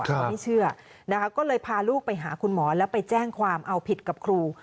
เขาไม่เชื่อนะคะก็เลยพาลูกไปหาคุณหมอแล้วไปแจ้งความเอาผิดกับครู